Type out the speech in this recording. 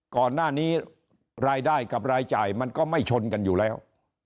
ก่อนหน้านี้รายได้กับรายจ่ายมันก็ไม่ชนกันอยู่แล้ว